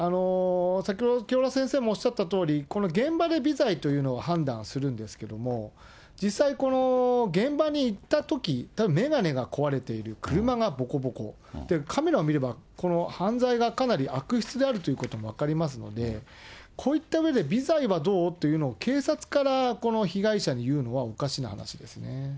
先ほど、清原先生もおっしゃったとおり、この現場で微罪というのは判断はするんですけども、実際、この現場に行ったとき、眼鏡が壊れている、車がぼこぼこっていう、カメラを見れば、この犯罪がかなり悪質であるということも分かりますので、こういったうえで、微罪はどう？というのを警察から、この被害者に言うのはおかしな話ですね。